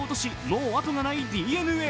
もう後がないＤｅＮＡ。